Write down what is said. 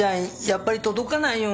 やっぱり届かないよ。